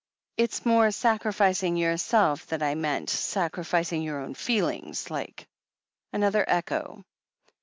It's more sacrificing yourself that I meant — sacrificing your own feelings, like." Another echo.